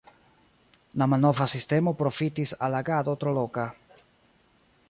La malnova sistemo profitis al agado tro loka.